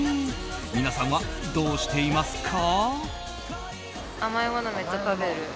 皆さんは、どうしていますか？